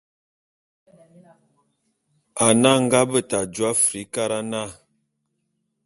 Ane a nga beta jô Afrikara na.